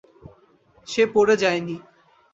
সে পড়ে যায় নি।